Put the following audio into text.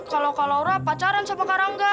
kalau kak laura pacaran sama karangga